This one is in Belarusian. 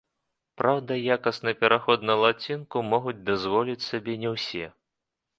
Праўда, якасны пераход на лацінку могуць дазволіць сабе не ўсе.